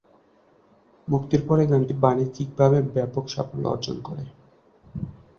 মুক্তির পরে গানটি বাণিজ্যিকভাবে ব্যাপক সাফল্য অর্জন করে।